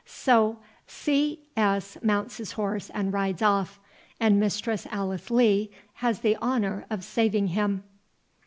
—So, C. S. mounts his horse and rides off, and Mistress Alice Lee has the honour of saving him."